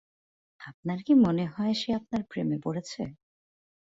আপনার কি মনে হয় সে আপনার প্রেমে পড়েছে?